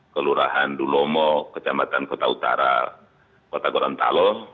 kelurahan dulomo kecamatan kota utara kota gorontalo